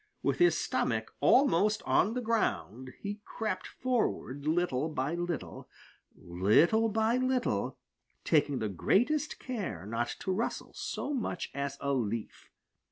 With his stomach almost on the ground, he crept forward little by little, little by little, taking the greatest care not to rustle so much as a leaf.